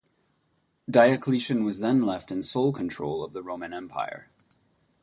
Diocletian was then left in sole control of the Roman Empire.